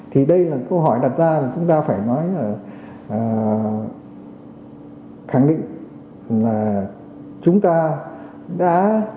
thì đây là câu hỏi đặt ra là chúng ta phải nói là khẳng định là chúng ta đã